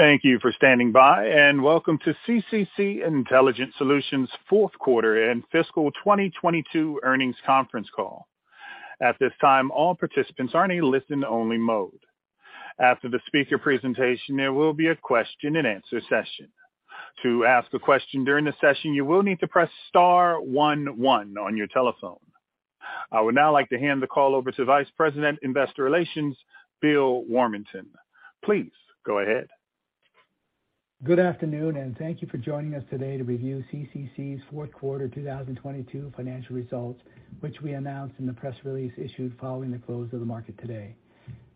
Thank you for standing by. Welcome to CCC Intelligent Solutions fourth quarter and fiscal 2022 earnings conference call. At this time, all participants are in a listen only mode. After the speaker presentation, there will be a question and answer session. To ask a question during the session, you will need to press star one one on your telephone. I would now like to hand the call over to Vice President Investor Relations, Bill Warmington. Please go ahead. Good afternoon, and thank you for joining us today to review CCC's fourth quarter 2022 financial results, which we announced in the press release issued following the close of the market today.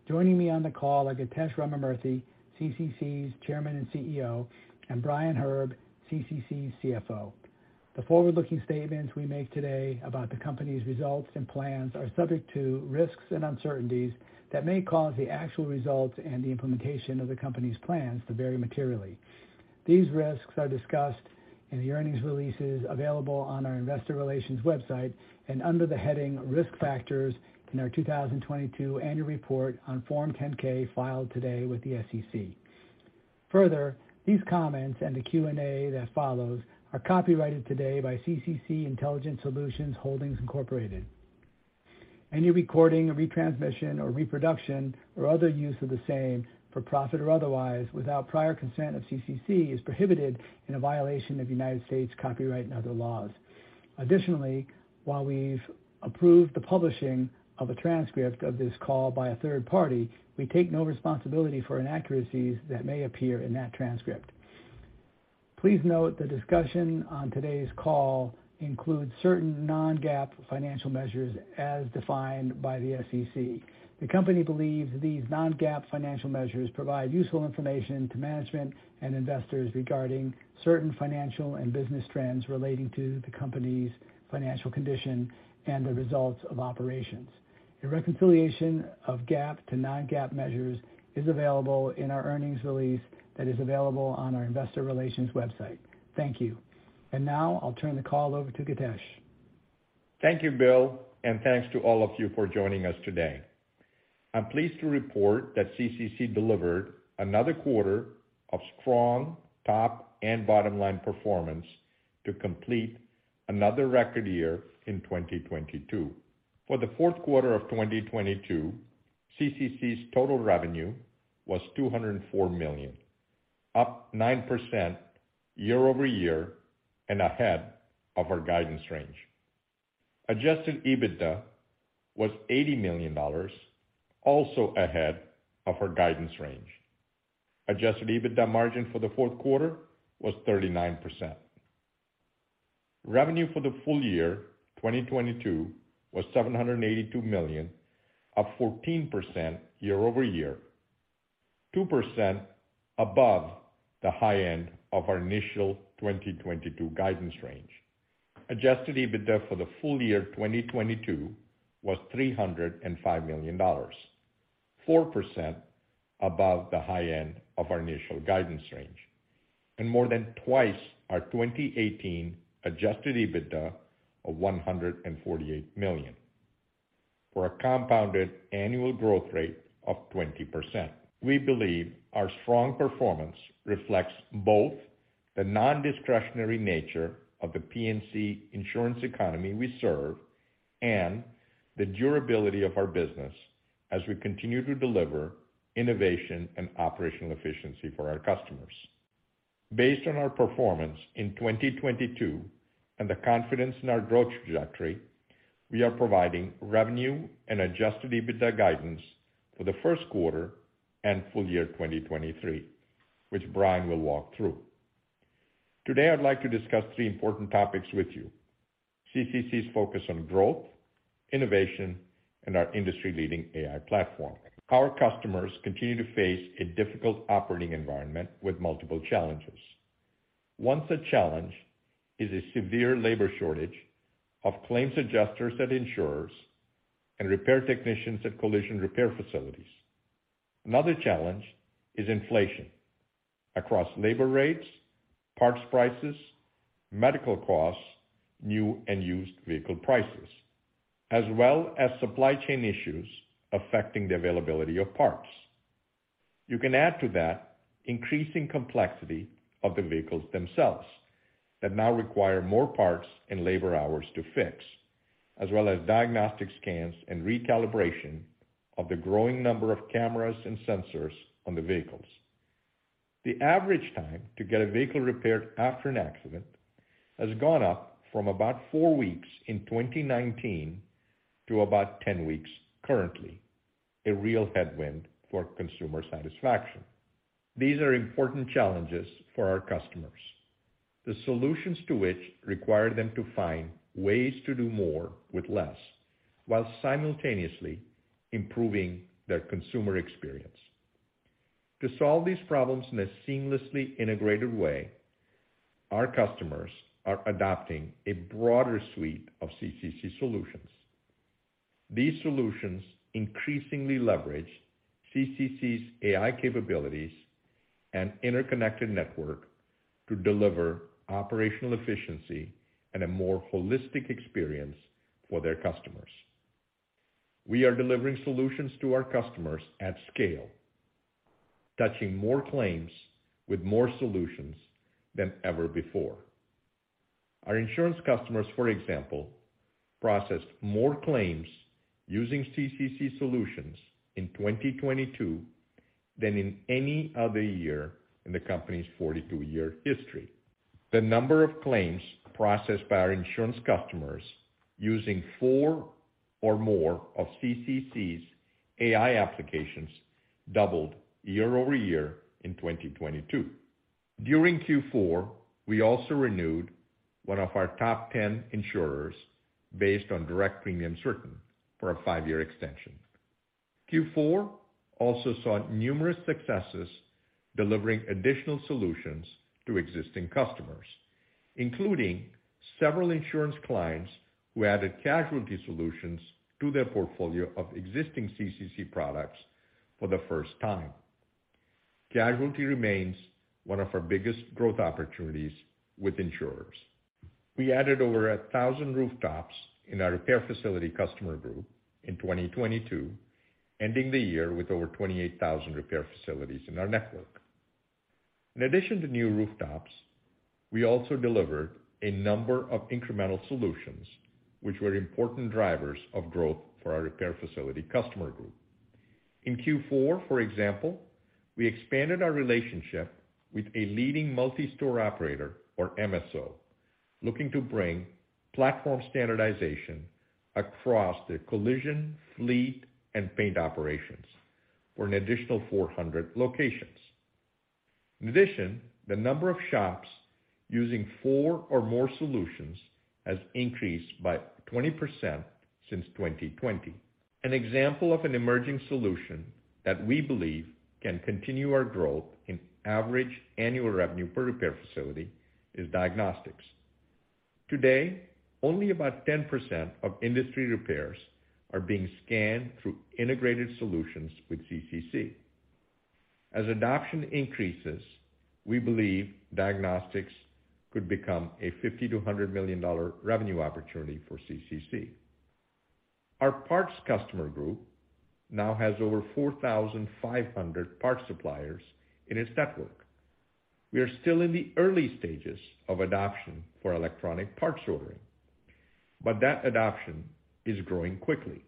Joining me on the call are Githesh Ramamurthy, CCC's Chairman and CEO, and Brian Herb, CCC's CFO. The forward-looking statements we make today about the company's results and plans are subject to risks and uncertainties that may cause the actual results and the implementation of the company's plans to vary materially. These risks are discussed in the earnings releases available on our investor relations website and under the heading Risk Factors in our 2022 annual report on Form 10-K filed today with the SEC. Further, these comments and the Q&A that follows are copyrighted today by CCC Intelligent Solutions Holdings, Inc. Any recording, retransmission, or reproduction, or other use of the same, for profit or otherwise, without prior consent of CCC, is prohibited in a violation of United States copyright and other laws. Additionally, while we've approved the publishing of a transcript of this call by a third party, we take no responsibility for inaccuracies that may appear in that transcript. Please note the discussion on today's call includes certain non-GAAP financial measures as defined by the SEC. The company believes these non-GAAP financial measures provide useful information to management and investors regarding certain financial and business trends relating to the company's financial condition and the results of operations. A reconciliation of GAAP to non-GAAP measures is available in our earnings release that is available on our investor relations website. Thank you. Now I'll turn the call over to Githesh. Thank you, Bill, Thanks to all of you for joining us today. I'm pleased to report that CCC delivered another quarter of strong top and bottom-line performance to complete another record year in 2022. For the fourth quarter of 2022, CCC's total revenue was $204 million, up 9% year-over-year and ahead of our guidance range. Adjusted EBITDA was $80 million, also ahead of our guidance range. Adjusted EBITDA margin for the fourth quarter was 39%. Revenue for the full year, 2022, was $782 million, up 14% year-over-year, 2% above the high end of our initial 2022 guidance range. adjusted EBITDA for the full year, 2022, was $305 million, 4% above the high end of our initial guidance range, and more than twice our 2018 adjusted EBITDA of $148 million, for a compounded annual growth rate of 20%. We believe our strong performance reflects both the nondiscretionary nature of the P&C insurance economy we serve and the durability of our business as we continue to deliver innovation and operational efficiency for our customers. Based on our performance in 2022 and the confidence in our growth trajectory, we are providing revenue and adjusted EBITDA guidance for the first quarter and full year 2023, which Brian will walk through. Today, I'd like to discuss three important topics with you: CCC's focus on growth, innovation, and our industry-leading AI platform. Our customers continue to face a difficult operating environment with multiple challenges. One such challenge is a severe labor shortage of claims adjusters at insurers and repair technicians at collision repair facilities. Another challenge is inflation across labor rates, parts prices, medical costs, new and used vehicle prices, as well as supply chain issues affecting the availability of parts. You can add to that increasing complexity of the vehicles themselves that now require more parts and labor hours to fix, as well as diagnostic scans and recalibration of the growing number of cameras and sensors on the vehicles. The average time to get a vehicle repaired after an accident has gone up from about four weeks in 2019 to about 10 weeks currently, a real headwind for consumer satisfaction. These are important challenges for our customers, the solutions to which require them to find ways to do more with less while simultaneously improving their consumer experience. To solve these problems in a seamlessly integrated way, our customers are adopting a broader suite of CCC solutions. These solutions increasingly leverage CCC's AI capabilities and interconnected network to deliver operational efficiency and a more holistic experience for their customers. We are delivering solutions to our customers at scale, touching more claims with more solutions than ever before. Our insurance customers, for example, processed more claims using CCC solutions in 2022 than in any other year in the company's 42-year history. The number of claims processed by our insurance customers using four or more of CCC's AI applications doubled year-over-year in 2022. During Q4, we also renewed one of our top 10 insurers based on direct premiums written for a five-year extension. Q4 also saw numerous successes delivering additional solutions to existing customers, including several insurance clients who added casualty solutions to their portfolio of existing CCC products for the first time. Casualty remains one of our biggest growth opportunities with insurers. We added over 1,000 rooftops in our repair facility customer group in 2022, ending the year with over 28,000 repair facilities in our network. In addition to new rooftops, we also delivered a number of incremental solutions, which were important drivers of growth for our repair facility customer group. In Q4, for example, we expanded our relationship with a leading multi-store operator, or MSO, looking to bring platform standardization across the collision, fleet, and paint operations for an additional 400 locations. The number of shops using 4 or more solutions has increased by 20% since 2020. An example of an emerging solution that we believe can continue our growth in average annual revenue per repair facility is diagnostics. Today, only about 10% of industry repairs are being scanned through integrated solutions with CCC. We believe diagnostics could become a $50 million-$100 million revenue opportunity for CCC. Our parts customer group now has over 4,500 parts suppliers in its network. We are still in the early stages of adoption for electronic parts ordering, but that adoption is growing quickly.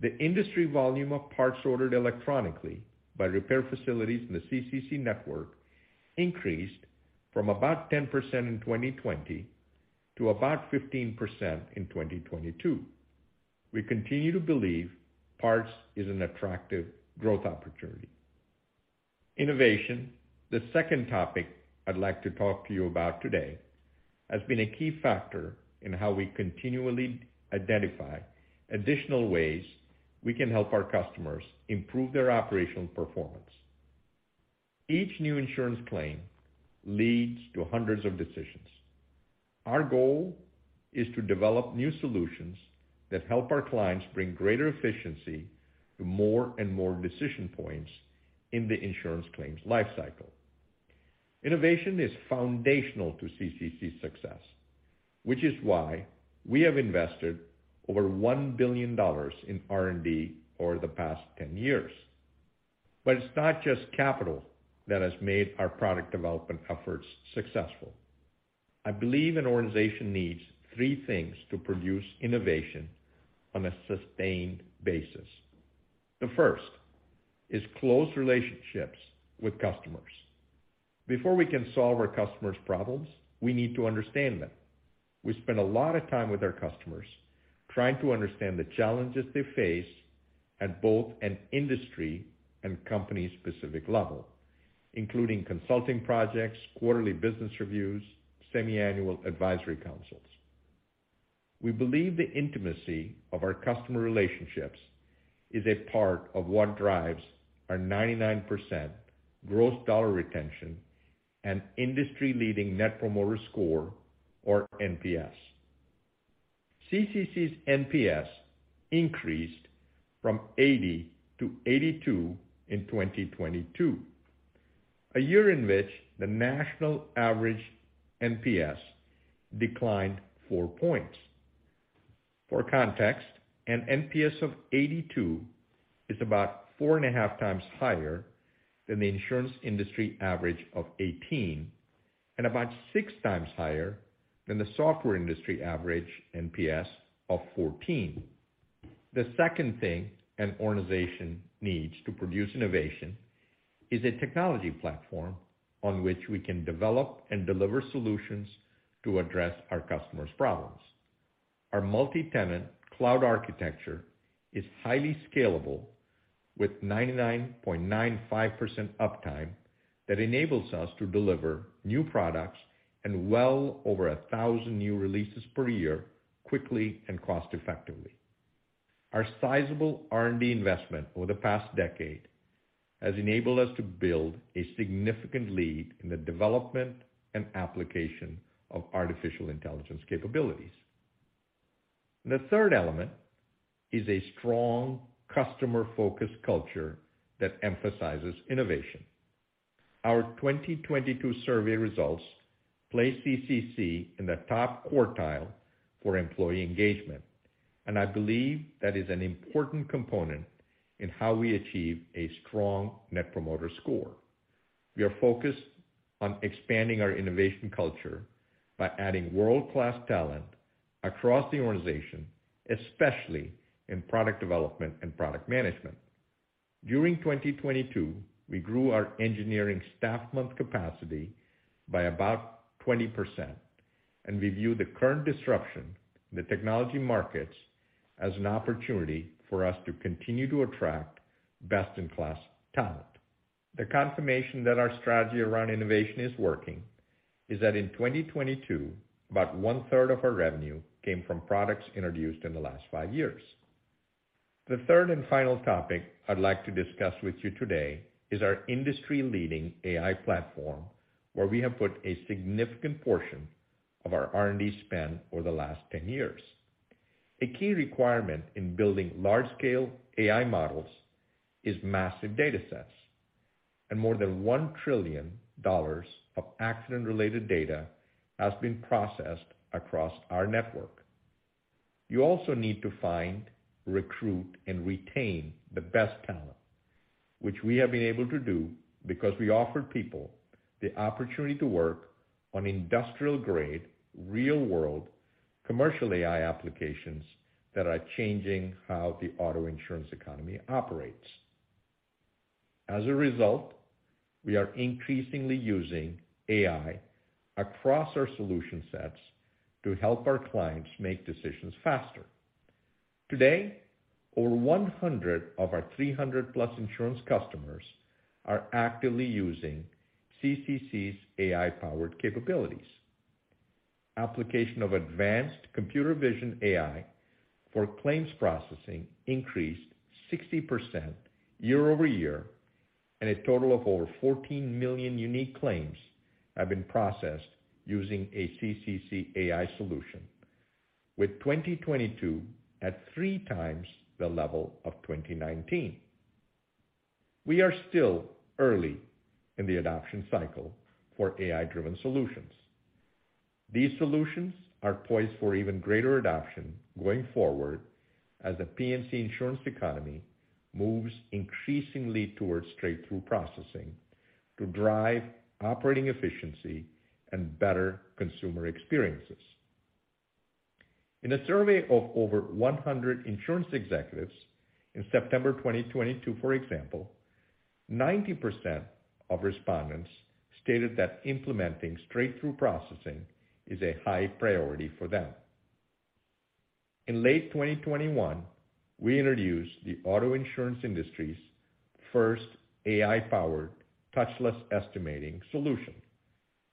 The industry volume of parts ordered electronically by repair facilities in the CCC network increased from about 10% in 2020 to about 15% in 2022. We continue to believe parts is an attractive growth opportunity. Innovation, the second topic I'd like to talk to you about today, has been a key factor in how we continually identify additional ways we can help our customers improve their operational performance. Each new insurance claim leads to hundreds of decisions. Our goal is to develop new solutions that help our clients bring greater efficiency to more and more decision points in the insurance claims lifecycle. Innovation is foundational to CCC's success, which is why we have invested over $1 billion in R&D over the past 10 years. It's not just capital that has made our product development efforts successful. I believe an organization needs three things to produce innovation on a sustained basis. The first is close relationships with customers. Before we can solve our customers' problems, we need to understand them. We spend a lot of time with our customers trying to understand the challenges they face at both an industry and company-specific level, including consulting projects, quarterly business reviews, semi-annual advisory councils. We believe the intimacy of our customer relationships is a part of what drives our 99% gross dollar retention and industry-leading Net Promoter Score or NPS. CCC's NPS increased from 80 to 82 in 2022, a year in which the national average NPS declined four points. For context, an NPS of 82 is about 4.5 times higher than the insurance industry average of 18 and about six times higher than the software industry average NPS of 14. The second thing an organization needs to produce innovation is a technology platform on which we can develop and deliver solutions to address our customers' problems. Our multi-tenant cloud architecture is highly scalable with 99.95% uptime that enables us to deliver new products and well over 1,000 new releases per year quickly and cost-effectively. Our sizable R&D investment over the past decade has enabled us to build a significant lead in the development and application of artificial intelligence capabilities. The third element is a strong customer-focused culture that emphasizes innovation. Our 2022 survey results place CCC in the top quartile for employee engagement. I believe that is an important component in how we achieve a strong net promoter score. We are focused on expanding our innovation culture by adding world-class talent across the organization, especially in product development and product management. During 2022, we grew our engineering staff month capacity by about 20%. We view the current disruption in the technology markets as an opportunity for us to continue to attract best-in-class talent. The confirmation that our strategy around innovation is working is that in 2022, about 1/3 of our revenue came from products introduced in the last five years. The third and final topic I'd like to discuss with you today is our industry-leading AI platform, where we have put a significant portion of our R&D spend over the last 10 years. More than $1 trillion of accident-related data has been processed across our network. You also need to find, recruit, and retain the best talent, which we have been able to do because we offer people the opportunity to work on industrial-grade, real-world commercial AI applications that are changing how the auto insurance economy operates. We are increasingly using AI across our solution sets to help our clients make decisions faster. Today, over 100 of our 300+ insurance customers are actively using CCC's AI-powered capabilities. Application of advanced computer vision AI for claims processing increased 60% year-over-year, and a total of over 14 million unique claims have been processed using a CCC AI solution, with 2022 at three times the level of 2019. We are still early in the adoption cycle for AI-driven solutions. These solutions are poised for even greater adoption going forward as the P&C insurance economy moves increasingly towards straight-through processing to drive operating efficiency and better consumer experiences. In a survey of over 100 insurance executives in September 2022, for example, 90% of respondents stated that implementing straight-through processing is a high priority for them. In late 2021, we introduced the auto insurance industry's first AI-powered touchless estimating solution,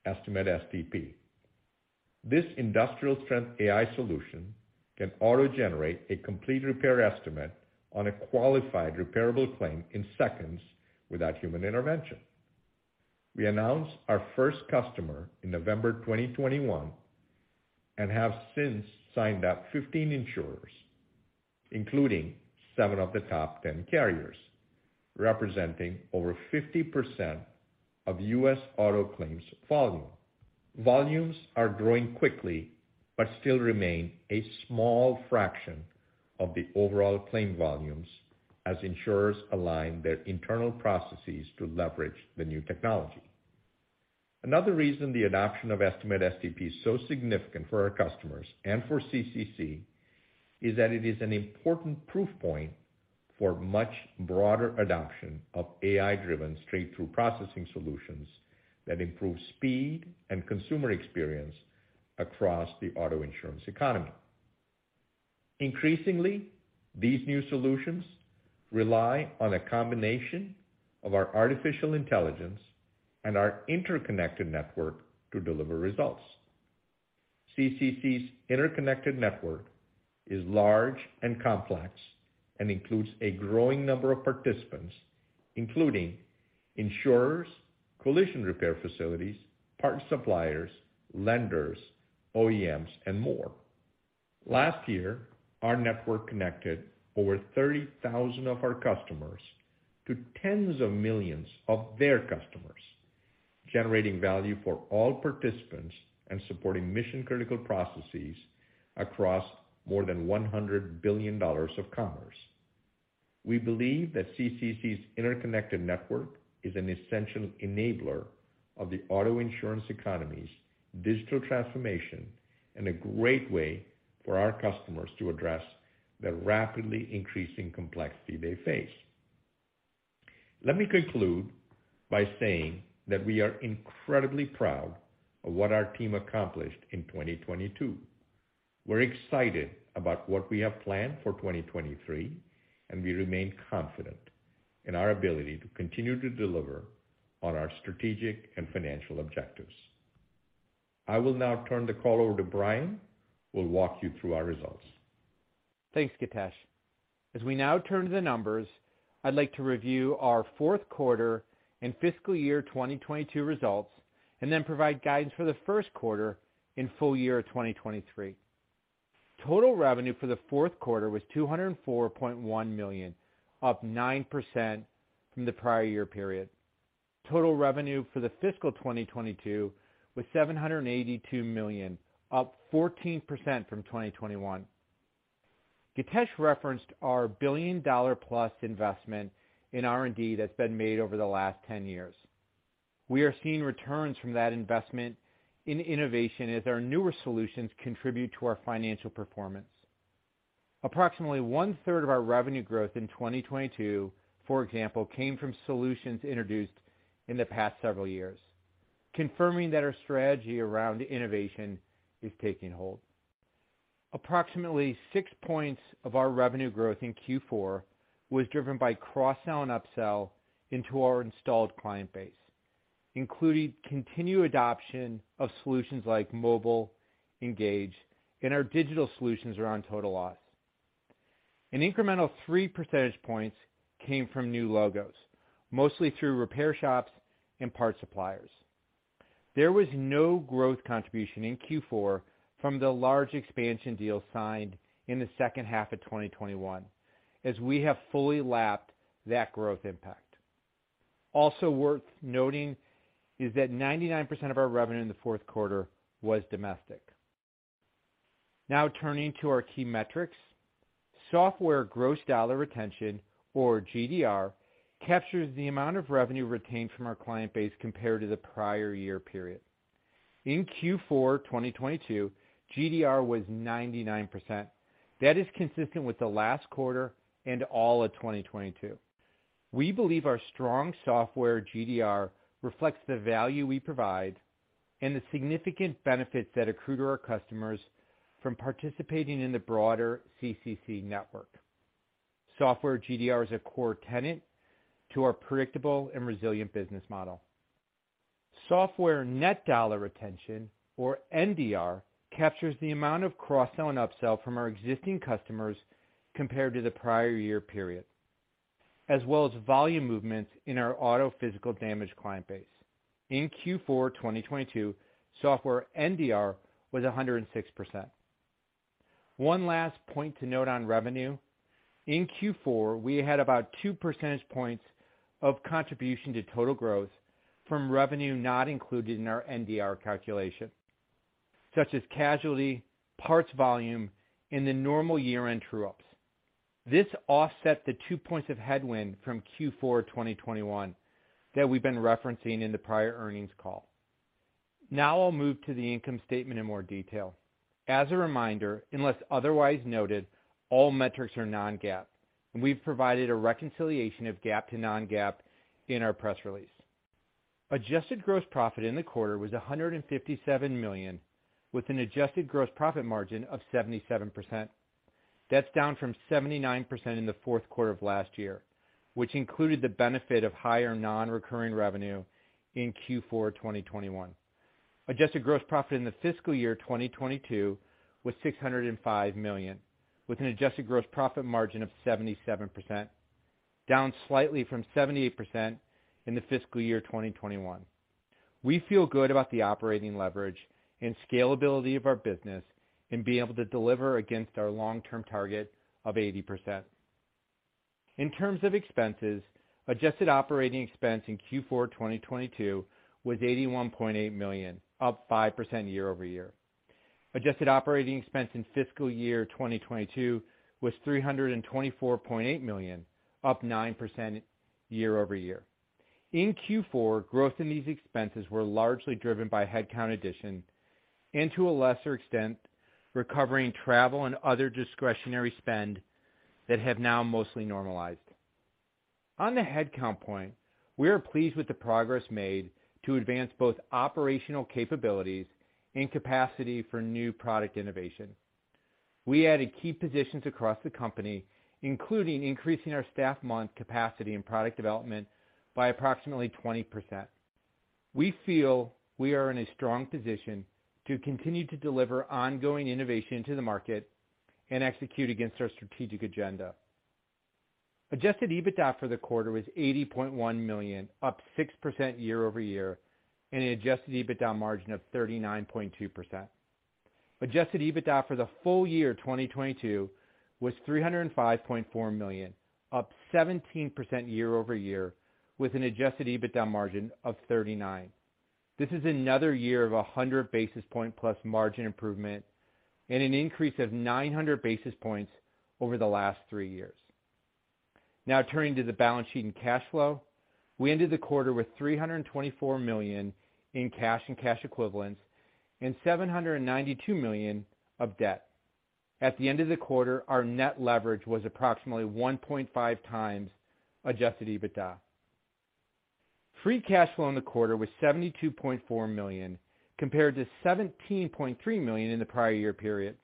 Estimate-STP. This industrial-strength AI solution can auto-generate a complete repair estimate on a qualified repairable claim in seconds without human intervention. We announced our first customer in November 2021 and have since signed up 15 insurers, including seven of the top 10 carriers, representing over 50% of U.S. Auto claims volume. Volumes are growing quickly, but still remain a small fraction of the overall claim volumes as insurers align their internal processes to leverage the new technology. Another reason the adoption of Estimate-STP is so significant for our customers and for CCC is that it is an important proof point for much broader adoption of AI-driven straight-through processing solutions that improve speed and consumer experience across the auto insurance economy. Increasingly, these new solutions rely on a combination of our artificial intelligence and our interconnected network to deliver results. CCC's interconnected network is large and complex and includes a growing number of participants, including insurers, collision repair facilities, parts suppliers, lenders, OEMs, and more. Last year, our network connected over 30,000 of our customers to tens of millions of their customers, generating value for all participants and supporting mission-critical processes across more than $100 billion of commerce. We believe that CCC's interconnected network is an essential enabler of the auto insurance economy's digital transformation and a great way for our customers to address the rapidly increasing complexity they face. Let me conclude by saying that we are incredibly proud of what our team accomplished in 2022. We're excited about what we have planned for 2023, and we remain confident in our ability to continue to deliver on our strategic and financial objectives. I will now turn the call over to Brian, who will walk you through our results. Thanks, Githesh. We now turn to the numbers, I'd like to review our fourth quarter and fiscal year 2022 results, and then provide guidance for the first quarter and full year of 2023. Total revenue for the fourth quarter was $204.1 million, up 9% from the prior year period. Total revenue for the fiscal 2022 was $782 million, up 14% from 2021. Githesh referenced our billion-dollar plus investment in R&D that's been made over the last 10 years. We are seeing returns from that investment in innovation as our newer solutions contribute to our financial performance. Approximately one-third of our revenue growth in 2022, for example, came from solutions introduced in the past several years, confirming that our strategy around innovation is taking hold. Approximately six points of our revenue growth in Q4 was driven by cross-sell and up-sell into our installed client base, including continued adoption of solutions like Mobile, Engage, and our digital solutions around total loss. An incremental 3 percentage points came from new logos, mostly through repair shops and parts suppliers. There was no growth contribution in Q4 from the large expansion deal signed in the second half of 2021, as we have fully lapped that growth impact. Worth noting is that 99% of our revenue in the fourth quarter was domestic. Turning to our key metrics. Software gross dollar retention, or GDR, captures the amount of revenue retained from our client base compared to the prior year period. In Q4 2022, GDR was 99%. That is consistent with the last quarter and all of 2022. We believe our strong software GDR reflects the value we provide and the significant benefits that accrue to our customers from participating in the broader CCC network. Software GDR is a core tenet to our predictable and resilient business model. Software net dollar retention, or NDR, captures the amount of cross-sell and up-sell from our existing customers compared to the prior year period, as well as volume movements in our auto physical damage client base. In Q4 2022, software NDR was 106%. One last point to note on revenue. In Q4, we had about two percentage points of contribution to total growth from revenue not included in our NDR calculation, such as casualty, parts volume, and the normal year-end true-ups. This offset the two points of headwind from Q4 2021 that we've been referencing in the prior earnings call. I'll move to the income statement in more detail. As a reminder, unless otherwise noted, all metrics are non-GAAP, and we've provided a reconciliation of GAAP to non-GAAP in our press release. Adjusted gross profit in the quarter was $157 million, with an adjusted gross profit margin of 77%. That's down from 79% in the fourth quarter of last year, which included the benefit of higher non-recurring revenue in Q4 2021. Adjusted gross profit in the fiscal year 2022 was $605 million, with an adjusted gross profit margin of 77%, down slightly from 78% in the fiscal year 2021. We feel good about the operating leverage and scalability of our business and being able to deliver against our long-term target of 80%. In terms of expenses, adjusted operating expense in Q4 2022 was $81.8 million, up 5% year-over-year. Adjusted operating expense in fiscal year 2022 was $324.8 million, up 9% year-over-year. In Q4, growth in these expenses were largely driven by headcount addition and to a lesser extent, recovering travel and other discretionary spend that have now mostly normalized. On the headcount point, we are pleased with the progress made to advance both operational capabilities and capacity for new product innovation. We added key positions across the company, including increasing our staff month capacity and product development by approximately 20%. We feel we are in a strong position to continue to deliver ongoing innovation to the market and execute against our strategic agenda. adjusted EBITDA for the quarter was $80.1 million, up 6% year-over-year, and an adjusted EBITDA margin of 39.2%. adjusted EBITDA for the full year 2022 was $305.4 million, up 17% year-over-year, with an adjusted EBITDA margin of 39%. This is another year of 100 basis point plus margin improvement and an increase of 900 basis points over the last three years. Now turning to the balance sheet and cash flow. We ended the quarter with $324 million in cash and cash equivalents and $792 million of debt. At the end of the quarter, our net leverage was approximately 1.5 times adjusted EBITDA. Free cash flow in the quarter was $72.4 million compared to $17.3 million in the prior year period.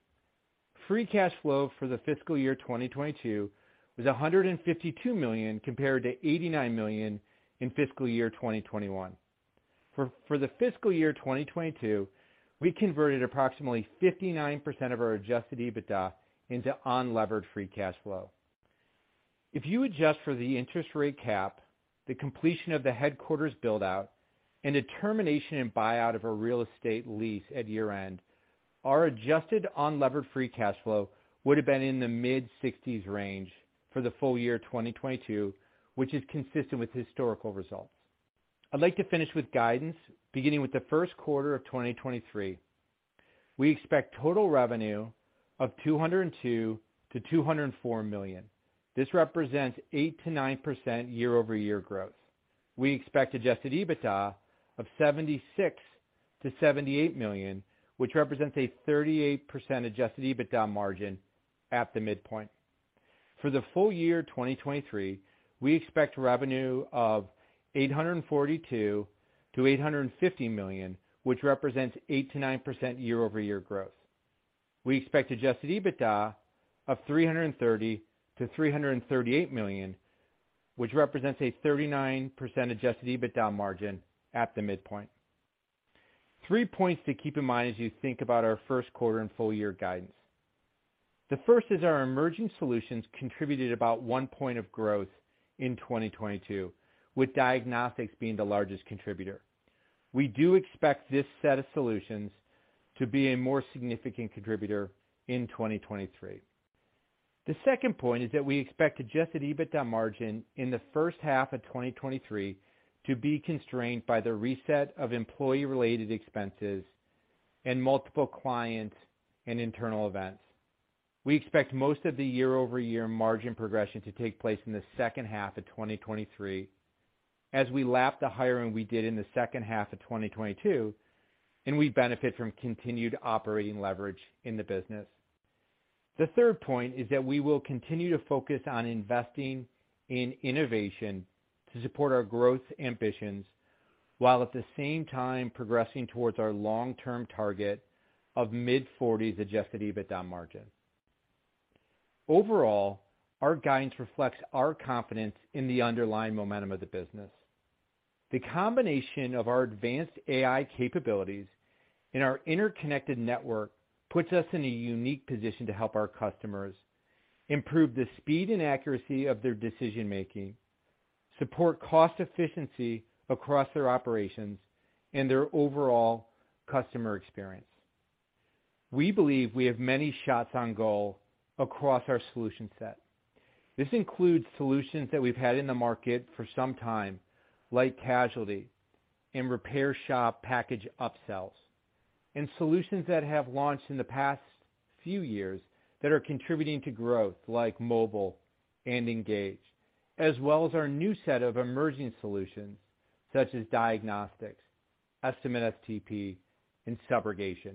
Free cash flow for the fiscal year 2022 was $152 million compared to $89 million in fiscal year 2021. For the fiscal year 2022, we converted approximately 59% of our adjusted EBITDA into unlevered free cash flow. If you adjust for the interest rate cap, the completion of the headquarters build-out and a termination and buyout of a real estate lease at year-end, our adjusted unlevered free cash flow would have been in the mid-60s range for the full year 2022, which is consistent with historical results. I'd like to finish with guidance. Beginning with the first quarter of 2023, we expect total revenue of $202 million-$204 million. This represents 8%-9% year-over-year growth. We expect adjusted EBITDA of $76 million-$78 million, which represents a 38% adjusted EBITDA margin at the midpoint. For the full year 2023, we expect revenue of $842 million-$850 million, which represents 8%-9% year-over-year growth. We expect adjusted EBITDA of $330 million-$338 million, which represents a 39% adjusted EBITDA margin at the midpoint. Three points to keep in mind as you think about our first quarter and full year guidance. The first is our emerging solutions contributed about 1 point of growth in 2022, with diagnostics being the largest contributor. We do expect this set of solutions to be a more significant contributor in 2023. The second point is that we expect adjusted EBITDA margin in the first half of 2023 to be constrained by the reset of employee-related expenses and multiple clients and internal events. We expect most of the year-over-year margin progression to take place in the second half of 2023 as we lap the hiring we did in the second half of 2022, and we benefit from continued operating leverage in the business. The third point is that we will continue to focus on investing in innovation to support our growth ambitions, while at the same time progressing towards our long-term target of mid-forties adjusted EBITDA margin. Overall, our guidance reflects our confidence in the underlying momentum of the business. The combination of our advanced AI capabilities and our interconnected network puts us in a unique position to help our customers improve the speed and accuracy of their decision-making, support cost efficiency across their operations and their overall customer experience. We believe we have many shots on goal across our solution set. This includes solutions that we've had in the market for some time, like casualty and repair shop package upsells, and solutions that have launched in the past few years that are contributing to growth, like mobile and engage, as well as our new set of emerging solutions such as diagnostics, Estimate-STP, and subrogation.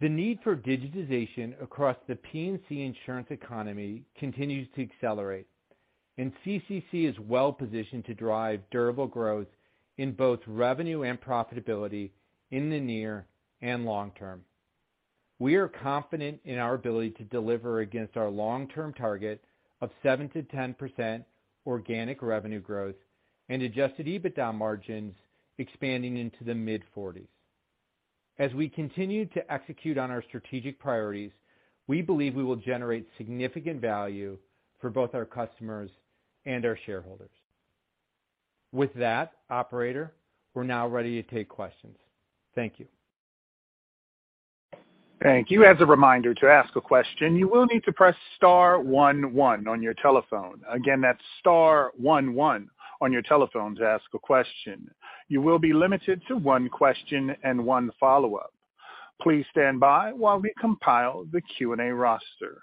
The need for digitization across the P&C insurance economy continues to accelerate. CCC is well positioned to drive durable growth in both revenue and profitability in the near and long term. We are confident in our ability to deliver against our long-term target of 7%-10% organic revenue growth and adjusted EBITDA margins expanding into the mid-forties. We continue to execute on our strategic priorities, we believe we will generate significant value for both our customers and our shareholders. With that, operator, we're now ready to take questions. Thank you. Thank you. As a reminder, to ask a question, you will need to press star one one on your telephone. Again, that's star one one on your telephone to ask a question. You will be limited to one question and one follow-up. Please stand by while we compile the Q&A roster.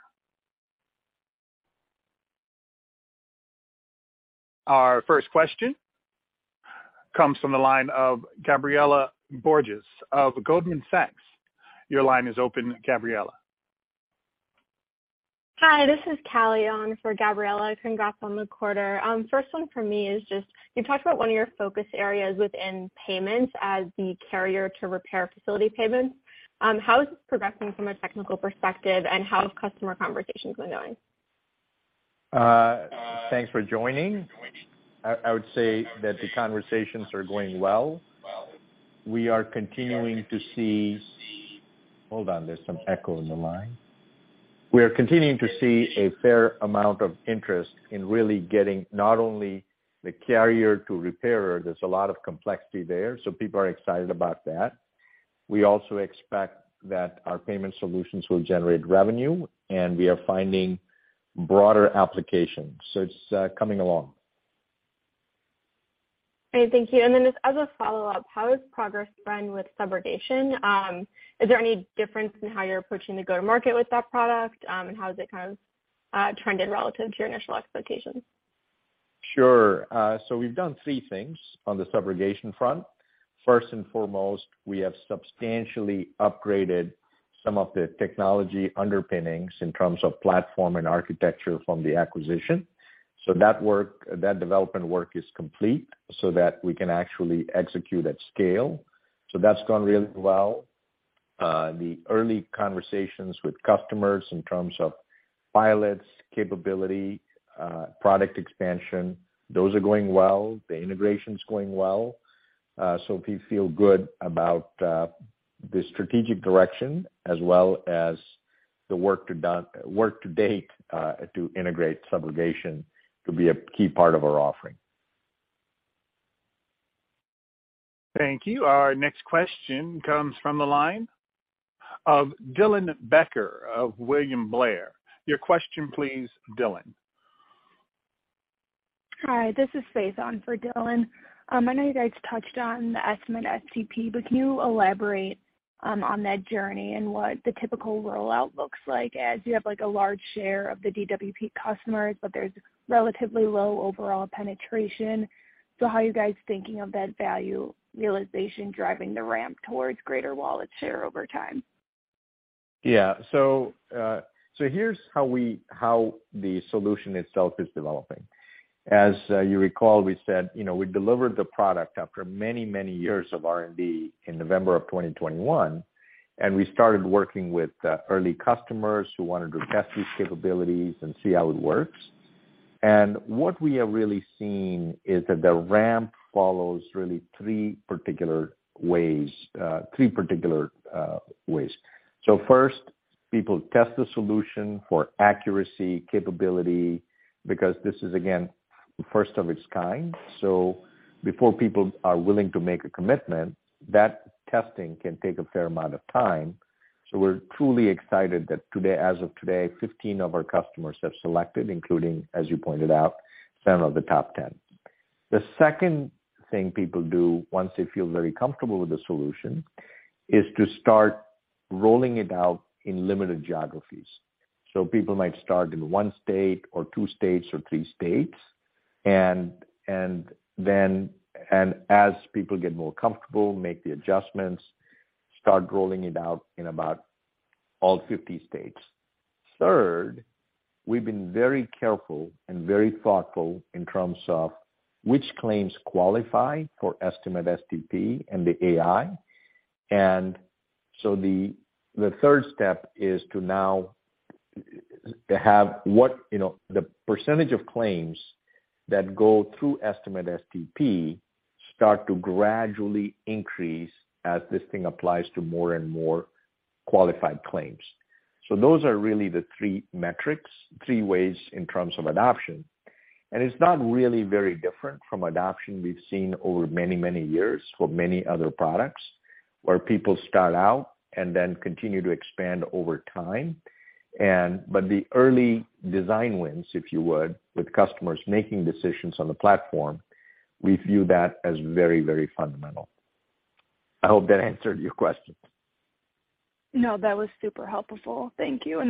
Our first question comes from the line of Gabriela Borges of Goldman Sachs. Your line is open, Gabriela. Hi, this is Callie on for Gabriela. Congrats on the quarter. First one for me is just, you talked about one of your focus areas within payments as the carrier-to-repair facility payments. How is this progressing from a technical perspective, and how have customer conversations been going? Thanks for joining. I would say that the conversations are going well. Hold on. There's some echo in the line. We are continuing to see a fair amount of interest in really getting not only the carrier to repairer, there's a lot of complexity there, people are excited about that. We also expect that our payment solutions will generate revenue, we are finding broader applications. It's coming along. Great. Thank you. Just as a follow-up, how has progress been with subrogation? Is there any difference in how you're approaching the go-to-market with that product? And how has it kind of trended relative to your initial expectations? Sure. So we've done three things on the subrogation front. First and foremost, we have substantially upgraded some of the technology underpinnings in terms of platform and architecture from the acquisition. That work, that development work is complete so that we can actually execute at scale. That's gone really well. The early conversations with customers in terms of pilots, capability, product expansion, those are going well. The integration's going well. We feel good about. The strategic direction as well as the work to date, to integrate subrogation to be a key part of our offering. Thank you. Our next question comes from the line of Dylan Becker of William Blair. Your question please, Dylan. Hi, this is Faith on for Dylan. I know you guys touched on the Estimate-STP, but can you elaborate on that journey and what the typical rollout looks like as you have like a large share of the DWP customers, but there's relatively low overall penetration. How are you guys thinking of that value realization driving the ramp towards greater wallet share over time? Yeah. Here's how the solution itself is developing. As you recall, we said, you know, we delivered the product after many, many years of R&D in November of 2021, and we started working with early customers who wanted to test these capabilities and see how it works. What we have really seen is that the ramp follows really three particular ways. First, people test the solution for accuracy capability because this is again, first of its kind. Before people are willing to make a commitment, that testing can take a fair amount of time. We're truly excited that today, as of today, 15 of our customers have selected, including, as you pointed out, seven of the top 10. The second thing people do once they feel very comfortable with the solution is to start rolling it out in limited geographies. People might start in one state or two states or three states. As people get more comfortable, make the adjustments, start rolling it out in about all 50 states. Third, we've been very careful and very thoughtful in terms of which claims qualify for CCC Estimate-STP and the AI. The, the third step is to now have what, you know, the percentage of claims that go through CCC Estimate-STP start to gradually increase as this thing applies to more and more qualified claims. Those are really the three metrics, three ways in terms of adoption. It's not really very different from adoption we've seen over many years for many other products, where people start out and then continue to expand over time. But the early design wins, if you would, with customers making decisions on the platform, we view that as very fundamental. I hope that answered your question. No, that was super helpful. Thank you.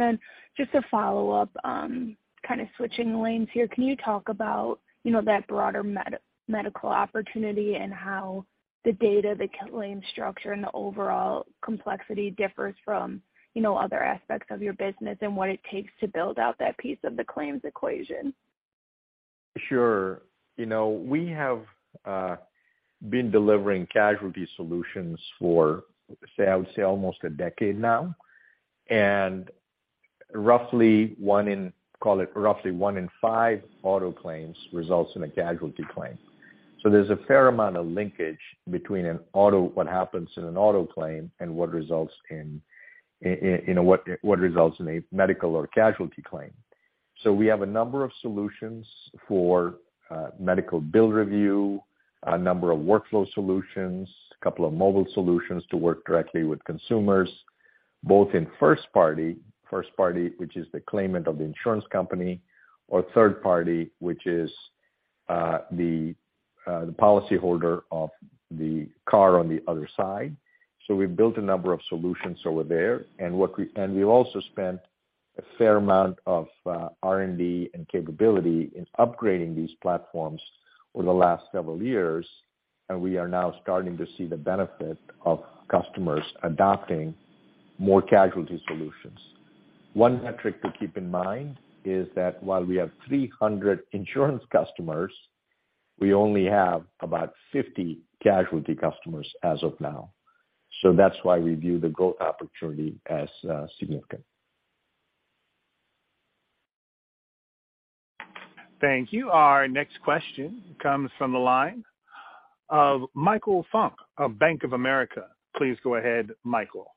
Just a follow-up, kind of switching lanes here. Can you talk about, you know, that broader med-medical opportunity and how the data, the claim structure, and the overall complexity differs from, you know, other aspects of your business and what it takes to build out that piece of the claims equation? Sure. You know, we have been delivering casualty solutions for, say, I would say almost a decade now. Roughly one in, call it roughly one in five auto claims results in a casualty claim. There's a fair amount of linkage between an auto, what happens in an auto claim and what results in, you know, what results in a medical or casualty claim. We have a number of solutions for medical bill review, a number of workflow solutions, a couple of mobile solutions to work directly with consumers, both in first party, which is the claimant of the insurance company or third party, which is the policy holder of the car on the other side. We've built a number of solutions over there. What we... We've also spent a fair amount of R&D and capability in upgrading these platforms over the last several years, and we are now starting to see the benefit of customers adopting more casualty solutions. One metric to keep in mind is that while we have 300 insurance customers, we only have about 50 casualty customers as of now. That's why we view the growth opportunity as significant. Thank you. Our next question comes from the line of Michael Funk of Bank of America. Please go ahead, Michael.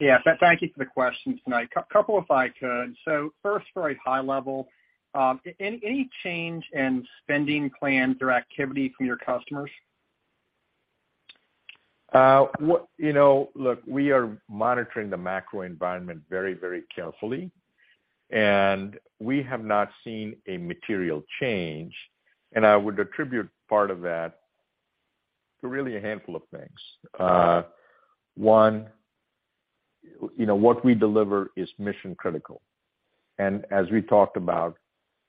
Yeah. Thank you for the questions tonight. A couple if I could. First, very high level, any change in spending plans or activity from your customers? You know, look, we are monitoring the macro environment very, very carefully, and we have not seen a material change. I would attribute part of that to really a handful of things. One, you know, what we deliver is mission-critical. As we talked about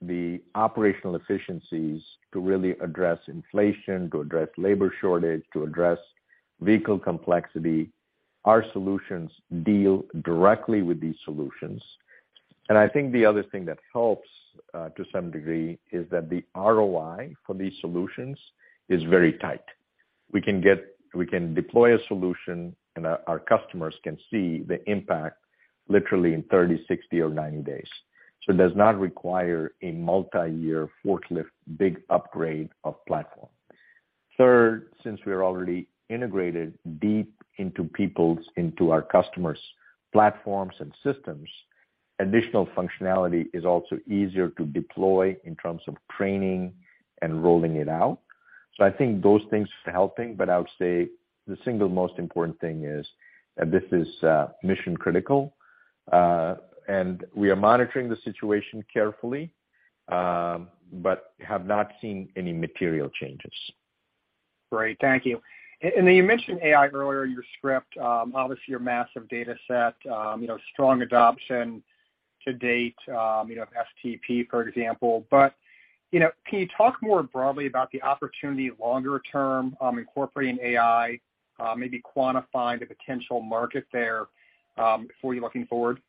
the operational efficiencies to really address inflation, to address labor shortage, to address vehicle complexity, our solutions deal directly with these solutions. I think the other thing that helps to some degree is that the ROI for these solutions is very tight. We can deploy a solution and our customers can see the impact literally in 30, 60 or 90 days. It does not require a multi-year forklift big upgrade of platform. Third, since we are already integrated deep into our customers' platforms and systems, additional functionality is also easier to deploy in terms of training and rolling it out. I think those things are helping, but I would say the single most important thing is that this is mission critical, and we are monitoring the situation carefully, but have not seen any material changes. Great. Thank you. You mentioned AI earlier in your script, obviously your massive data set, you know, strong adoption to date, you know, STP, for example. You know, can you talk more broadly about the opportunity longer term, incorporating AI, maybe quantifying the potential market there, for you looking forward?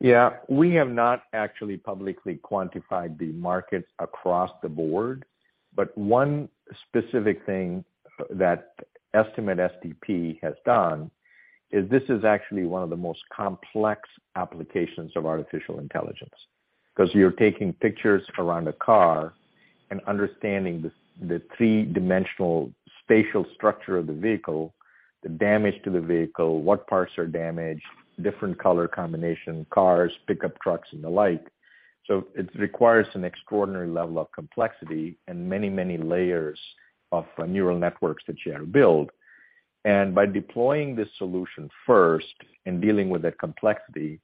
We have not actually publicly quantified the markets across the board, but one specific thing that Estimate-STP has done is this is actually one of the most complex applications of artificial intelligence. You're taking pictures around a car and understanding the three-dimensional spatial structure of the vehicle, the damage to the vehicle, what parts are damaged, different color combination cars, pickup trucks and the like. It requires an extraordinary level of complexity and many, many layers of neural networks that you have to build. By deploying this solution first and dealing with that complexity,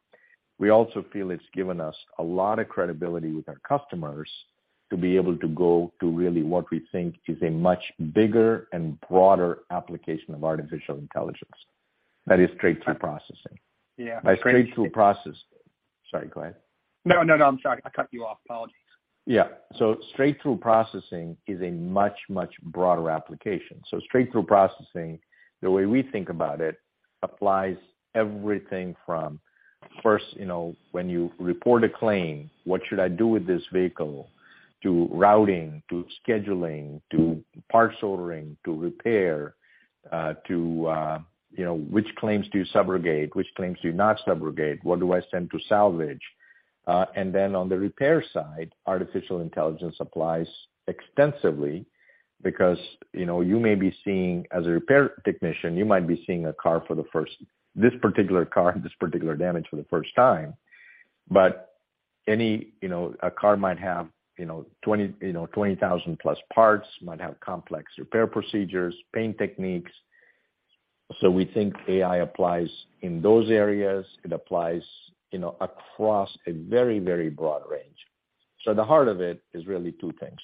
we also feel it's given us a lot of credibility with our customers to be able to go to really what we think is a much bigger and broader application of artificial intelligence, that is straight-through processing. Yeah. By straight-through process... Sorry, go ahead. No, no, I'm sorry. I cut you off. Apologies. Yeah. straight-through processing is a much, much broader application. straight-through processing, the way we think about it, applies everything from first, you know, when you report a claim, what should I do with this vehicle? To routing, to scheduling, to parts ordering, to repair, to, you know, which claims do you subrogate? Which claims do you not subrogate? What do I send to salvage? On the repair side, artificial intelligence applies extensively because, you know, as a repair technician, you might be seeing this particular car, this particular damage for the first time. Any, you know, a car might have, you know, 20, you know, 20,000 plus parts, might have complex repair procedures, paint techniques. We think AI applies in those areas. It applies, you know, across a very, very broad range. The heart of it is really two things.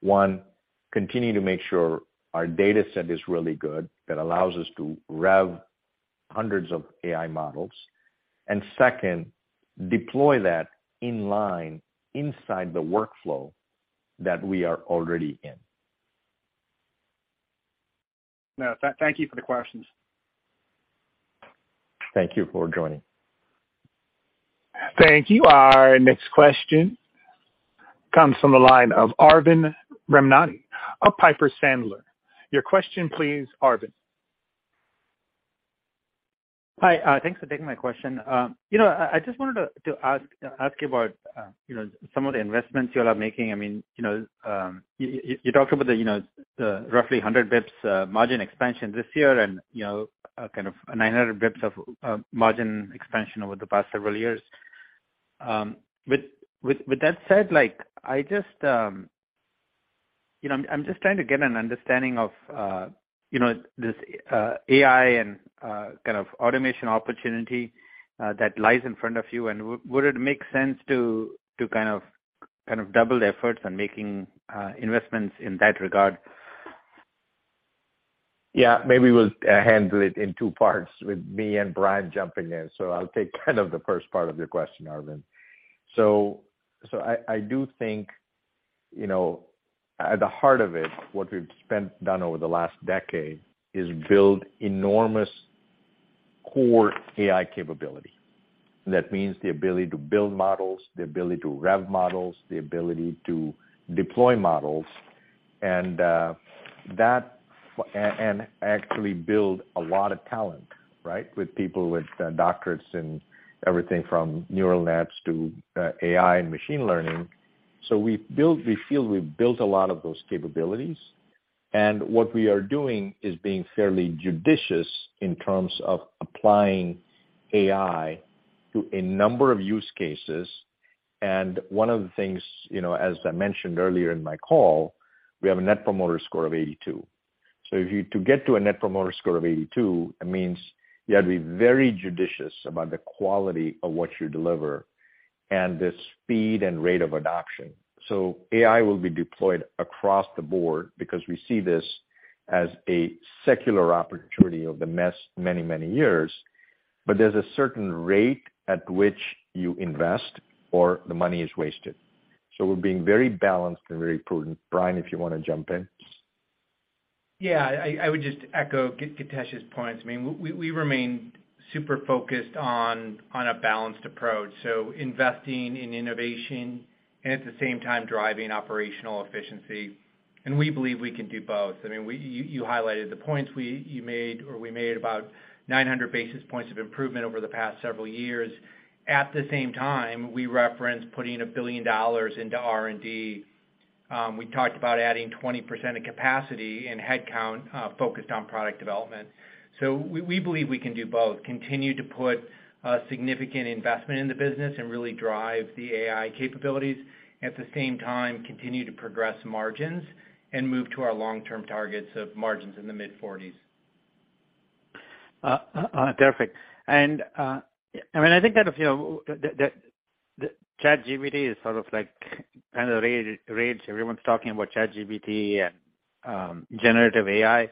One, continue to make sure our data set is really good, that allows us to rev hundreds of AI models. Second, deploy that in line inside the workflow that we are already in. No, thank you for the questions. Thank you for joining. Thank you. Our next question comes from the line of Arvind Ramnani of Piper Sandler. Your question, please, Arvind. Hi. Thanks for taking my question. You know, I just wanted to ask about, you know, some of the investments you all are making. I mean, you know, you talked about the, you know, the roughly 100 basis points margin expansion this year and, you know, kind of 900 basis points of margin expansion over the past several years. With that said, like, I just, you know, I'm just trying to get an understanding of, you know, this AI and kind of automation opportunity that lies in front of you. Would it make sense to kind of double the efforts on making investments in that regard? Yeah. Maybe we'll handle it in two parts with me and Brian jumping in. I'll take kind of the first part of your question, Arvind. I do think, you know, at the heart of it, what we've done over the last decade is build enormous core AI capability. That means the ability to build models, the ability to rev models, the ability to deploy models, and actually build a lot of talent, right? With people with doctorates in everything from neural networks to AI and machine learning. We feel we've built a lot of those capabilities. What we are doing is being fairly judicious in terms of applying AI to a number of use cases. One of the things, you know, as I mentioned earlier in my call, we have a Net Promoter Score of 82. If you to get to a Net Promoter Score of 82, it means you have to be very judicious about the quality of what you deliver and the speed and rate of adoption. AI will be deployed across the board because we see this as a secular opportunity of the many years, but there's a certain rate at which you invest or the money is wasted. We're being very balanced and very prudent. Brian, if you wanna jump in. Yeah. I would just echo Githesh's points. I mean, we remain super focused on a balanced approach, so investing in innovation and at the same time driving operational efficiency. We believe we can do both. I mean, you highlighted the points you made or we made about 900 basis points of improvement over the past several years. At the same time, we referenced putting $1 billion into R&D. We talked about adding 20% of capacity in headcount, focused on product development. We believe we can do both, continue to put a significant investment in the business and really drive the AI capabilities. At the same time, continue to progress margins and move to our long-term targets of margins in the mid-forties. Perfect. I mean, I think that, you know, ChatGPT is sort of like kind of the rage. Everyone's talking about ChatGPT and generative AI.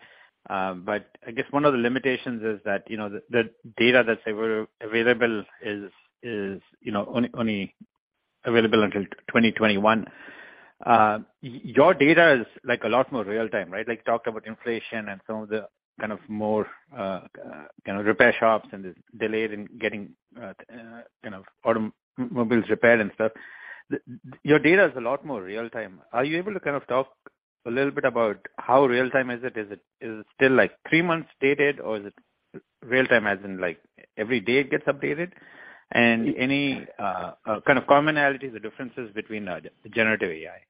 I guess one of the limitations is that, you know, the data that's available is, you know, only available until 2021. Your data is like a lot more real-time, right? Like, you talked about inflation and some of the kind of more repair shops and the delay in getting, you know, automobiles repaired and stuff. Your data is a lot more real time. Are you able to kind of talk a little bit about how real time is it? Is it still like three months dated, or is it real time, as in like every day it gets updated? Any kind of commonalities or differences between generative AI?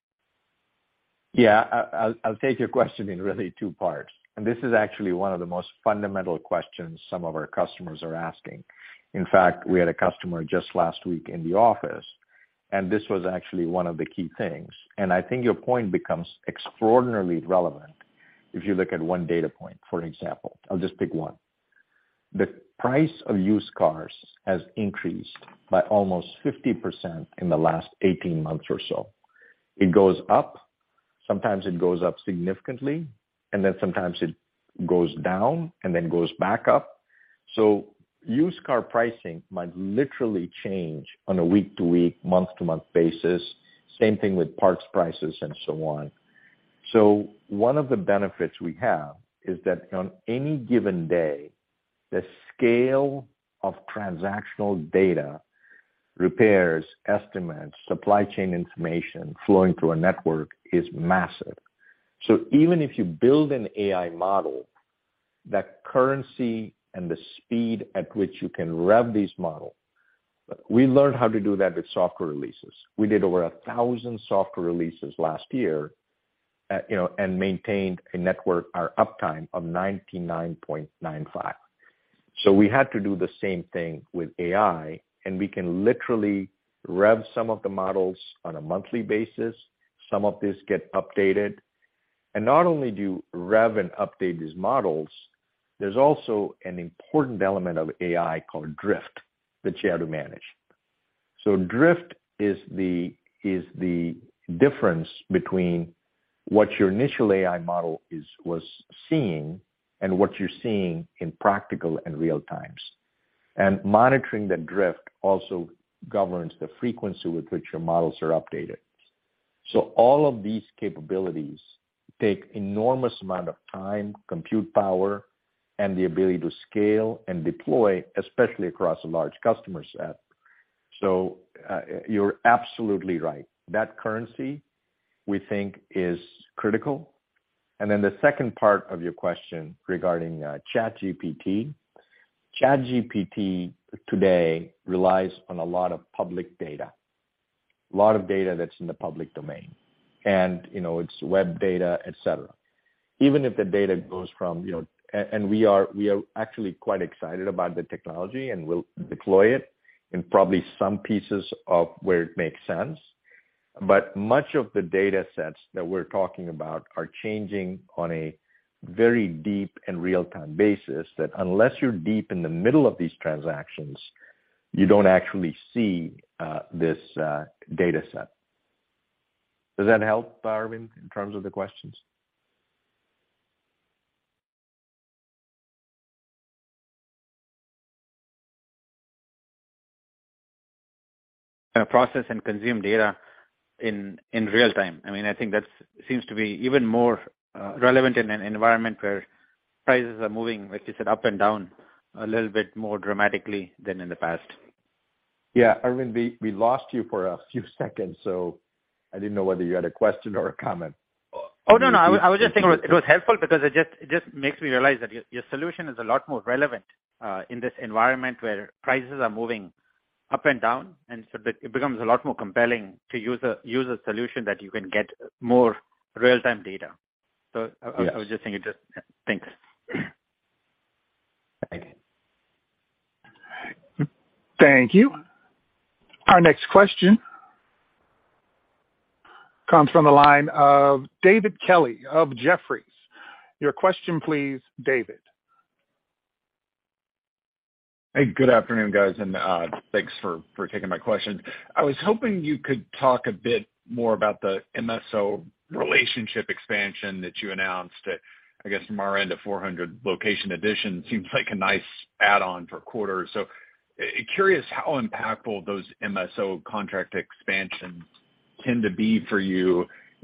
Yeah. I'll take your question in really two parts. This is actually one of the most fundamental questions some of our customers are asking. In fact, we had a customer just last week in the office, and this was actually one of the key things. I think your point becomes extraordinarily relevant if you look at one data point, for an example. I'll just pick one. The price of used cars has increased by almost 50% in the last 18 months or so. It goes up, sometimes it goes up significantly, and then sometimes it goes down and then goes back up. Used car pricing might literally change on a week to week, month to month basis. Same thing with parts prices and so on. One of the benefits we have is that on any given day, the scale of transactional data, repairs, estimates, supply chain information flowing through a network is massive. Even if you build an AI model, that currency and the speed at which you can rev these models, we learned how to do that with software releases. We did over 1,000 software releases last year, you know, and maintained a network uptime of 99.95%. We had to do the same thing with AI, and we can literally rev some of the models on a monthly basis. Some of these get updated. Not only do rev and update these models, there's also an important element of AI called drift that you have to manage. Drift is the difference between what your initial AI model was seeing and what you're seeing in practical and real times. Monitoring the drift also governs the frequency with which your models are updated. All of these capabilities take enormous amount of time, compute power, and the ability to scale and deploy, especially across a large customer set. You're absolutely right. That currency, we think, is critical. The second part of your question regarding ChatGPT. ChatGPT today relies on a lot of public data, a lot of data that's in the public domain, and you know, it's web data, et cetera. Even if the data goes from, you know, we are actually quite excited about the technology, and we'll deploy it in probably some pieces of where it makes sense. Much of the datasets that we're talking about are changing on a very deep and real-time basis that unless you're deep in the middle of these transactions, you don't actually see, this dataset. Does that help, Arvind, in terms of the questions? Kinda process and consume data in real time. I mean, I think that seems to be even more relevant in an environment where prices are moving, like you said, up and down a little bit more dramatically than in the past. Yeah. Arvind, we lost you for a few seconds, so I didn't know whether you had a question or a comment. Oh, no. I was just thinking it was helpful because it just makes me realize that your solution is a lot more relevant in this environment where prices are moving up and down. It becomes a lot more compelling to use a solution that you can get more real-time data. I was just thinking, just thanks. Thank you. Our next question comes from the line of David Kelley of Jefferies. Your question, please, David. Hey, good afternoon, guys, and thanks for taking my question. I was hoping you could talk a bit more about the MSO relationship expansion that you announced. I guess from our end of 400 location addition seems like a nice add-on for quarter. Curious how impactful those MSO contract expansions tend to be for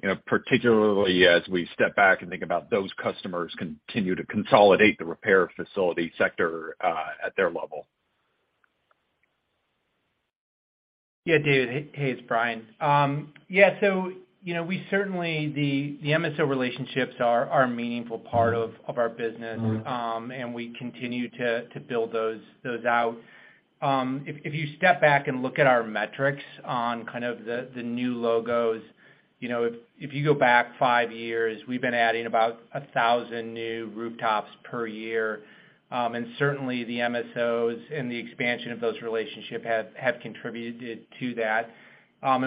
you know, particularly as we step back and think about those customers continue to consolidate the repair facility sector at their level. David. Hey, it's Brian. You know, we certainly the MSO relationships are a meaningful part of our business. Mm-hmm. We continue to build those out. If you step back and look at our metrics on kind of the new logos, you know, if you go back five years, we've been adding about 1,000 new rooftops per year. Certainly the MSOs and the expansion of those relationship have contributed to that.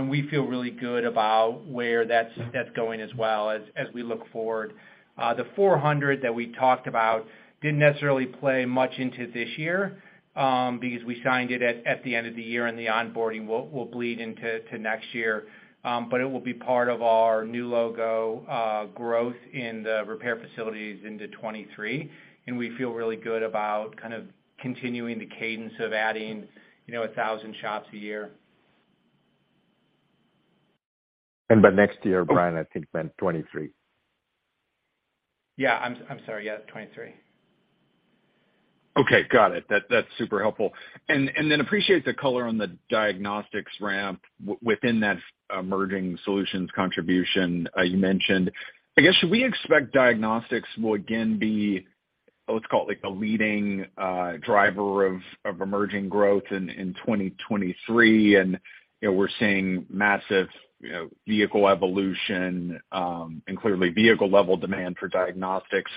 We feel really good about where that's going as well as we look forward. The 400 that we talked about didn't necessarily play much into this year, because we signed it at the end of the year and the onboarding will bleed into next year. It will be part of our new logo growth in the repair facilities into 2023, and we feel really good about kind of continuing the cadence of adding, you know, 1,000 shops a year. By next year, Brian, I think meant 2023. Yeah. I'm sorry. Yeah, 2023. Got it. That's super helpful. Then appreciate the color on the Diagnostics ramp within that emerging solutions contribution you mentioned. I guess, should we expect Diagnostics will again be, let's call it like a leading driver of emerging growth in 2023? You know, we're seeing massive, you know, vehicle evolution, and clearly vehicle level demand for diagnostics.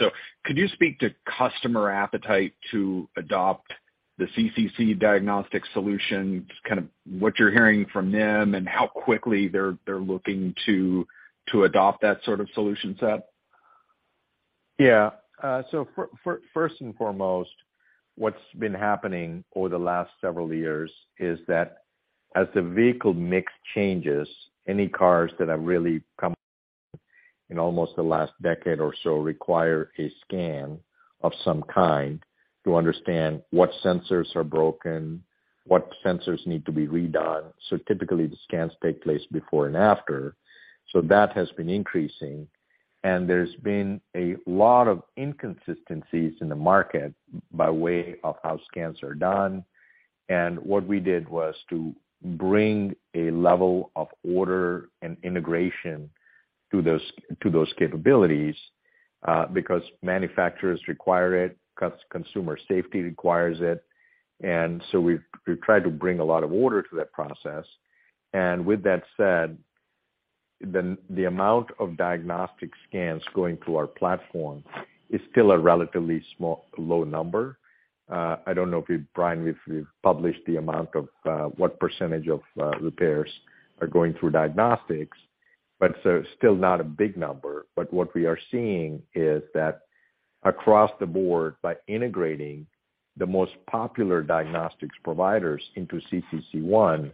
Could you speak to customer appetite to adopt the CCC Diagnostics solution, just kind of what you're hearing from them and how quickly they're looking to adopt that sort of solution set? Yeah. First and foremost, what's been happening over the last several years is that as the vehicle mix changes, any cars that have really come in almost the last decade or so require a scan of some kind to understand what sensors are broken, what sensors need to be redone. Typically, the scans take place before and after. That has been increasing. There's been a lot of inconsistencies in the market by way of how scans are done. What we did was to bring a level of order and integration to those, to those capabilities, because manufacturers require it, consumer safety requires it. We've tried to bring a lot of order to that process. With that said, the amount of diagnostic scans going through our platform is still a relatively small, low number. I don't know if you, Brian, we've published the amount of what percentage of repairs are going through diagnostics, but so still not a big number. What we are seeing is that across the board, by integrating the most popular diagnostics providers into CCC ONE,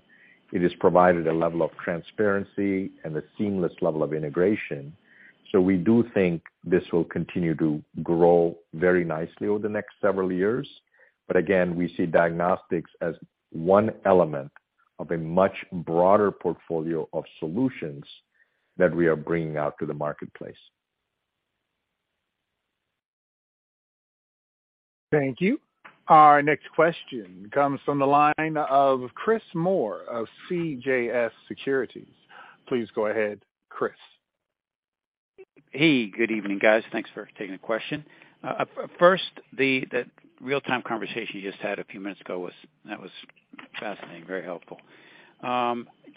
it has provided a level of transparency and a seamless level of integration. We do think this will continue to grow very nicely over the next several years. Again, we see diagnostics as one element of a much broader portfolio of solutions that we are bringing out to the marketplace. Thank you. Our next question comes from the line of Chris Moore of CJS Securities. Please go ahead, Chris. Hey, good evening, guys. Thanks for taking the question. First, the real-time conversation you just had a few minutes ago that was fascinating, very helpful.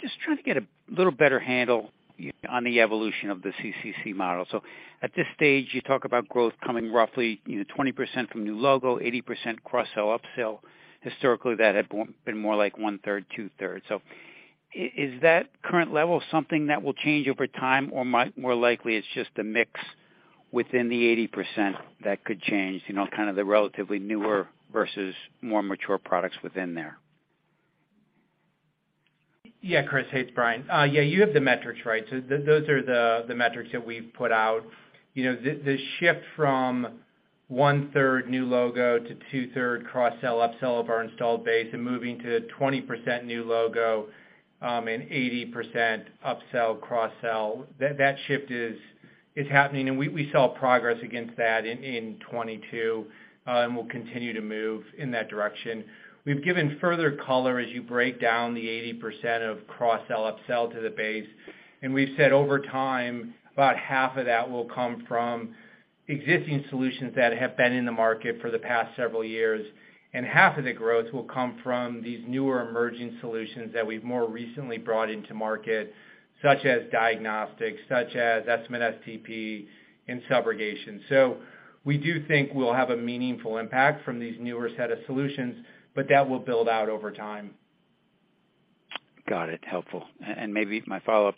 Just trying to get a little better handle on the evolution of the CCC model. At this stage, you talk about growth coming roughly, you know, 20% from new logo, 80% cross-sell, upsell. Historically, that had been more like one-third, two-thirds. Is that current level something that will change over time or more likely it's just a mix within the 80% that could change, you know, kind of the relatively newer versus more mature products within there? Yeah, Chris. Hey, it's Brian. Yeah, you have the metrics right. those are the metrics that we've put out. You know, the shift from 1/3 new logo to 2/3 cross-sell, upsell of our installed base and moving to 20% new logo, and 80% upsell, cross-sell, that shift is happening. We saw progress against that in 2022, and we'll continue to move in that direction. We've given further color as you break down the 80% of cross-sell, upsell to the base, and we've said over time, about half of that will come from existing solutions that have been in the market for the past several years, and half of the growth will come from these newer emerging solutions that we've more recently brought into market, such as diagnostics, such as Estimate-STP and subrogation. We do think we'll have a meaningful impact from these newer set of solutions, but that will build out over time. Got it. Helpful. Maybe my follow-up.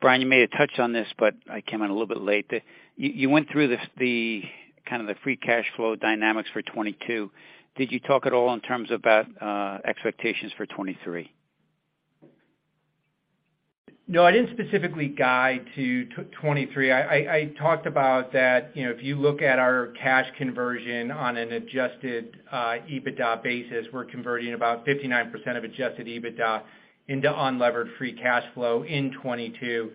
Brian, you may have touched on this. I came in a little bit late. You went through this, the kind of the free cash flow dynamics for 2022. Did you talk at all in terms about expectations for 2023? No, I didn't specifically guide to 2023. I talked about that, you know, if you look at our cash conversion on an adjusted EBITDA basis, we're converting about 59% of adjusted EBITDA into unlevered free cash flow in 2022.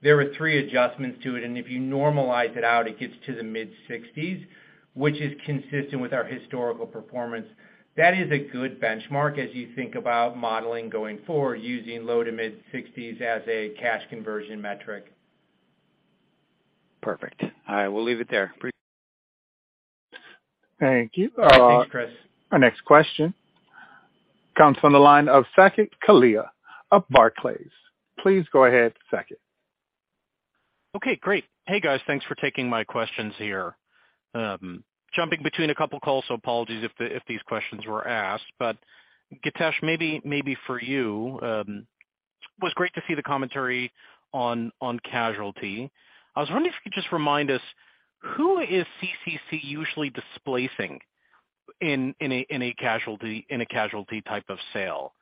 There are three adjustments to it, and if you normalize it out, it gets to the mid-sixties, which is consistent with our historical performance. That is a good benchmark as you think about modeling going forward, using low to mid-sixties as a cash conversion metric. Perfect. I will leave it there. Thank you. Thanks, Chris. Our next question comes from the line of Saket Kalia of Barclays. Please go ahead, Saket. Okay, great. Hey, guys. Thanks for taking my questions here. Jumping between a couple calls, so apologies if these questions were asked. Githesh, maybe for you, it was great to see the commentary on casualty. I was wondering if you could just remind us who is CCC usually displacing in a casualty type of sale.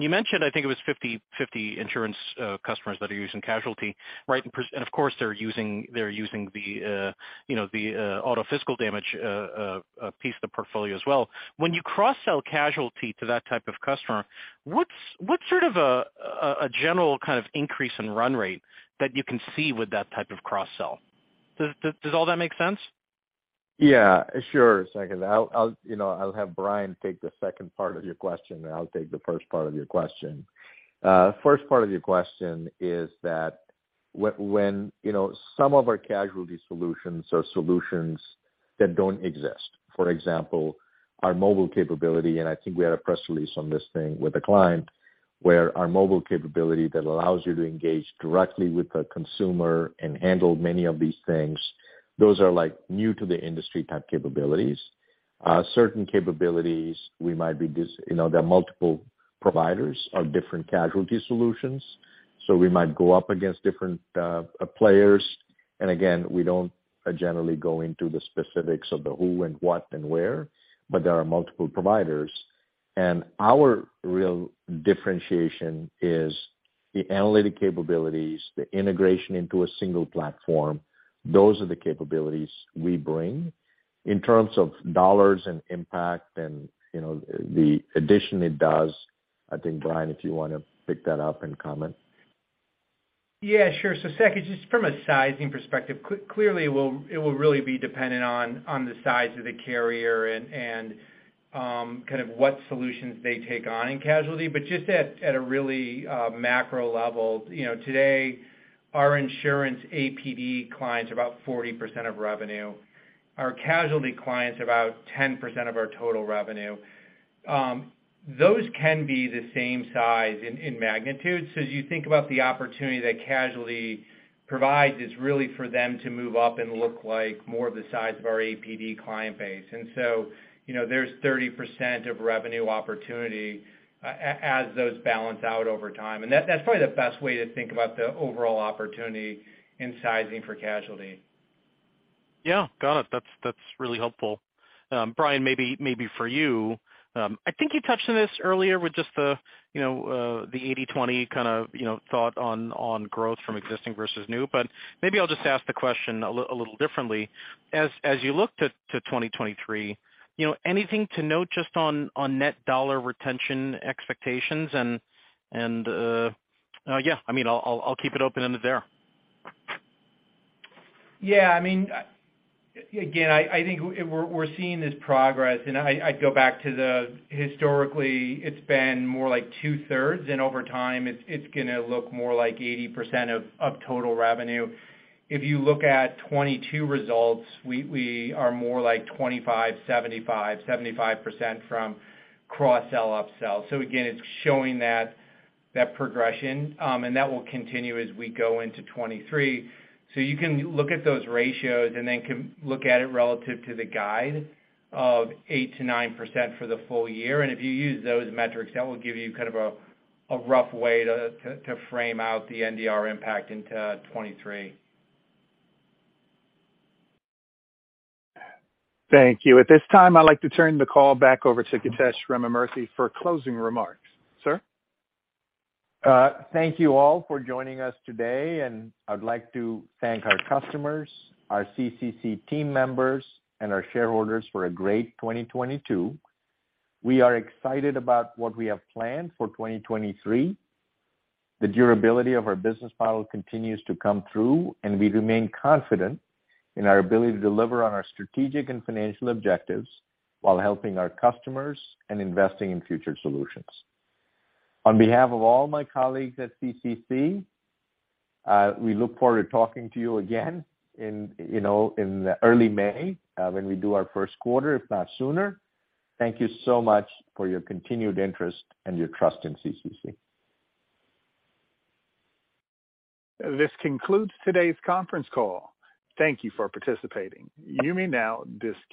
You mentioned, I think it was 50/50 insurance customers that are using casualty, right? Of course they're using the, you know, the auto physical damage piece of the portfolio as well. When you cross-sell casualty to that type of customer, what's what sort of a general kind of increase in run rate that you can see with that type of cross-sell? Does all that make sense? Yeah, sure, Saket. I'll, you know, I'll have Brian take the second part of your question, and I'll take the first part of your question. First part of your question is that, you know, some of our casualty solutions are solutions that don't exist. For example, our mobile capability, and I think we had a press release on this thing with a client, where our mobile capability that allows you to engage directly with the consumer and handle many of these things, those are like new to the industry type capabilities. Certain capabilities we might be, you know, there are multiple providers of different casualty solutions, so we might go up against different players. Again, we don't generally go into the specifics of the who and what and where, but there are multiple providers. Our real differentiation is the analytic capabilities, the integration into a single platform. Those are the capabilities we bring. In terms of dollars and impact and, you know, the addition it does, I think, Brian, if you wanna pick that up and comment. Yeah, sure. Saket, just from a sizing perspective, clearly it will really be dependent on the size of the carrier and kind of what solutions they take on in casualty. Just at a really macro level, you know, today our insurance APD clients are about 40% of revenue. Our casualty clients are about 10% of our total revenue. Those can be the same size in magnitude. As you think about the opportunity that casualty provides is really for them to move up and look like more of the size of our APD client base. So, you know, there's 30% of revenue opportunity as those balance out over time. That's probably the best way to think about the overall opportunity in sizing for casualty. Yeah, got it. That's, that's really helpful. Brian, maybe for you, I think you touched on this earlier with just the, you know, the 80/20 kinda, you know, thought on growth from existing versus new, but maybe I'll just ask the question a little differently. As, as you look to 2023, you know, anything to note just on net dollar retention expectations and, yeah, I mean I'll keep it open-ended there. I mean, again, I think we're seeing this progress and I go back to the historically it's been more like 2/3 and over time it's gonna look more like 80% of total revenue. If you look at 2022 results, we are more like 25, 75% from cross-sell, upsell. Again, it's showing that progression, and that will continue as we go into 2023. You can look at those ratios and then look at it relative to the guide of 8% to 9% for the full year. If you use those metrics, that will give you kind of a rough way to frame out the NDR impact into 2023. Thank you. At this time, I'd like to turn the call back over to Githesh Ramamurthy for closing remarks. Sir? Thank you all for joining us today. I'd like to thank our customers, our CCC team members, and our shareholders for a great 2022. We are excited about what we have planned for 2023. The durability of our business model continues to come through, and we remain confident in our ability to deliver on our strategic and financial objectives while helping our customers and investing in future solutions. On behalf of all my colleagues at CCC, we look forward to talking to you again in, you know, in early May, when we do our first quarter, if not sooner. Thank you so much for your continued interest and your trust in CCC. This concludes today's conference call. Thank you for participating. You may now disconnect.